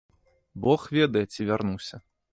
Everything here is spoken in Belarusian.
Бог ведае, ці вярнуся.